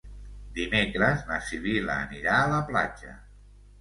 Dimecres na Sibil·la anirà a la platja.